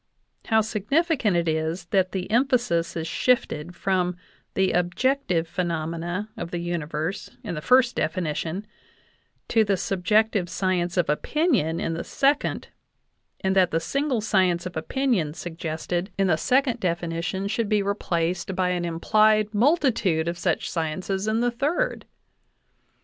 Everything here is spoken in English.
How significant it is that the em phasis is shifted from the objective phenomena of the universe in the first definition to the subjective science of opinion in the second, and that the single science of opinion suggested in the 78 JOHN WESLEY POWELL DAVIS second definition should be replaced by an implied multitude of such sciences in the third